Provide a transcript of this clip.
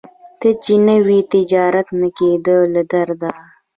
ته چې نه وې نجات نه کیده له درده